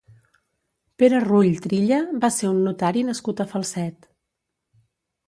Pere Rull Trilla va ser un notari nascut a Falset.